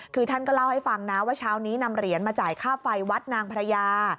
คือท่านก็เล่าให้ฟังนะว่าเช้านี้นำเหรียญมาจ่ายค่าไฟวัดนางพระยา